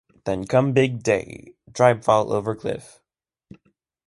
Then come big day... tribe fall over cliff.